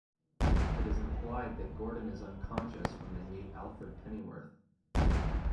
It is implied that Gordon is unconscious when they meet Alfred Pennyworth.